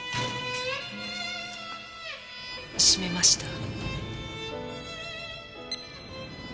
閉めました。